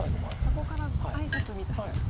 そこから挨拶みたいな。